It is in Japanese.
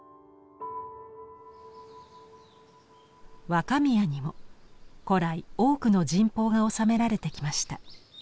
若宮にも古来多くの神宝がおさめられてきました。